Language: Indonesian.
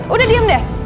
udah diem deh